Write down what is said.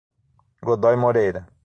Godoy Moreira